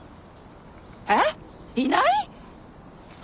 えっいない！？